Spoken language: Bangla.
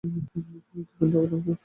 দক্ষিণ টাওয়ার ধ্বংস!